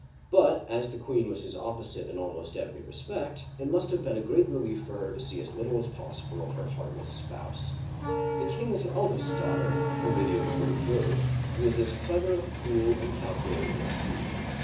But as the queen was his opposite in almost every respect, it must have been a great relief for her to see as little as possible of her heartless spouse. The king's eldest daughter, the Lady of Beaujeu (b5 zhe'), was as clever, cool, and calculating as he.